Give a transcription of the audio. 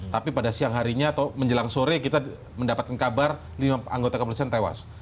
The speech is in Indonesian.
tapi pada siang harinya atau menjelang sore kita mendapatkan kabar lima anggota kepolisian tewas